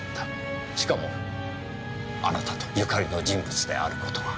しかもあなたとゆかりの人物である事が。